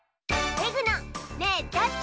レグの「ねえどっち？」